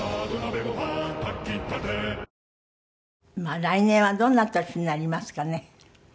来年はどんな年になりますかね。